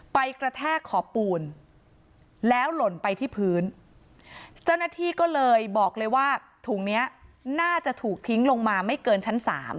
กระแทกขอบปูนแล้วหล่นไปที่พื้นเจ้าหน้าที่ก็เลยบอกเลยว่าถุงนี้น่าจะถูกทิ้งลงมาไม่เกินชั้น๓